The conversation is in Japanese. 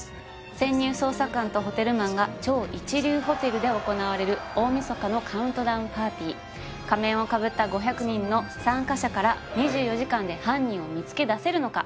潜入捜査官とホテルマンが超一流ホテルで行われる大晦日のカウントダウンパーティー仮面をかぶった５００人の参加者から２４時間で犯人を見つけ出せるのか